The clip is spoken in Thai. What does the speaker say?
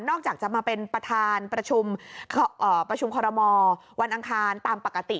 จากจะมาเป็นประธานประชุมคอรมอลวันอังคารตามปกติ